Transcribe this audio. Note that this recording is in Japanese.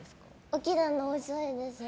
起きるの遅いですね。